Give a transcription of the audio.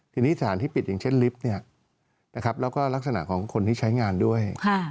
ทีนี้สถานที่ปิดอย่างเช่นลิฟต์แล้วก็ลักษณะของคนที่ใช้งานด้วย